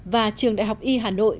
và trường đại học y hà nội